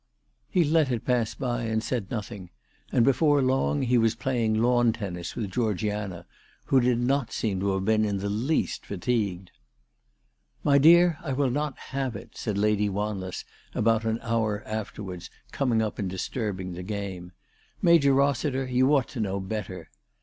He let it pass by and said nothing, and before long lie was playing lawn tennis with Greorgiana, who did not seem to have been in the least fatigued. " My dear, I will not have it," said. Lady Wanless about an hour afterwards, coming up and disturbing the game. " Major Eossiter, you ought to know better."